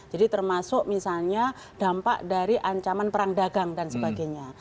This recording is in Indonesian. jadi termasuk misalnya dampak dari ancaman perang dagang dan sebagainya